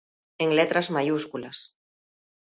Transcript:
En letras maiúsculas.